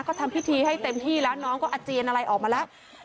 ก็ทำพิธีให้เต็มที่แล้วน้องก็อาเจียนอะไรออกมาแล้ว